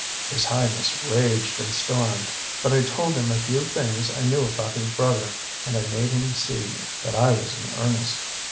His Highness raged and stormed, but I told him a few things I knew about his brother, and I made him see that I was in earnest.